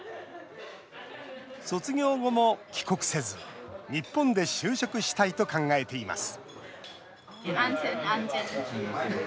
卒業後も帰国せず日本で就職したいと考えています